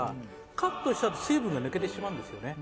カットしちゃうと水分が抜けてしまうんですよね